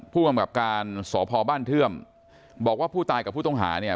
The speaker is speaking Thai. ผู้กำกับการสพบ้านเทื่อมบอกว่าผู้ตายกับผู้ต้องหาเนี่ย